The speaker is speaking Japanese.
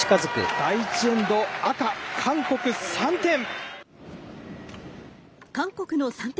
第１エンド赤、韓国、３点！